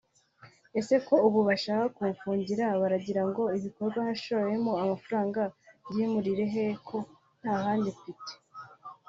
ese ko ubu bashaka kumfungira baragira ngo ibikorwa nashoyemo amafaranga mbyimurire he ko ntahandi mfite